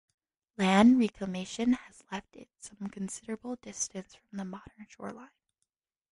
Land reclamation has left it some considerable distance from the modern shoreline.